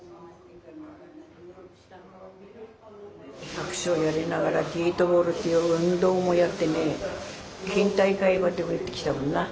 百姓やりながらゲートボールっていう運動もやってね県大会までも行ってきたもんな。